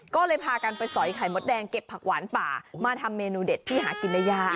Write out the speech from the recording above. ก็เลยพากันไปสอยไข่มดแดงเก็บผักหวานป่ามาทำเมนูเด็ดที่หากินได้ยาก